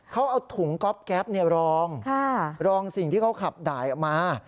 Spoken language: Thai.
เขาเอาถุงก๊อบแก๊ปรองรองสิ่งที่เขาขับด่ายออกมา